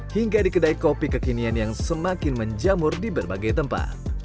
hingga di kedai kopi kekinian yang semakin menjamur di berbagai tempat